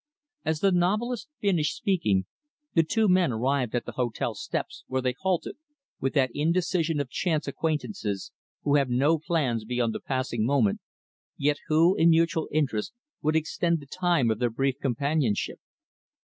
As the novelist finished speaking, the two men arrived at the hotel steps, where they halted, with that indecision of chance acquaintances who have no plans beyond the passing moment, yet who, in mutual interest, would extend the time of their brief companionship.